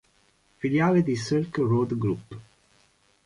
Filiale di Silk Road Group.